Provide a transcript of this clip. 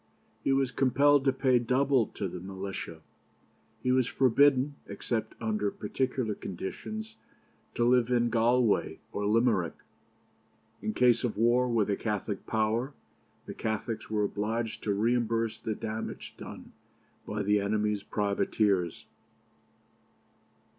He was compelled to pay double to the militia. He was forbidden, except under particular conditions, to live in Galway or Limerick. In case of war with a Catholic power, the Catholics were obliged to reimburse the damage done by the enemy's privateers.